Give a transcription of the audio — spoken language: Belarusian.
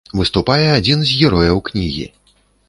Выступае адзін з герояў кнігі.